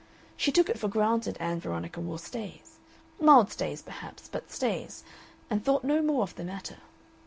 She took it for granted Ann Veronica wore stays mild stays, perhaps, but stays, and thought no more of the matter.